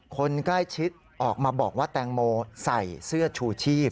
คนใกล้ชิดออกมาบอกว่าแตงโมใส่เสื้อชูชีพ